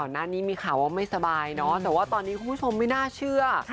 หน้านี้มีข่าวว่าไม่สบายเนาะแต่ว่าตอนนี้คุณผู้ชมไม่น่าเชื่อ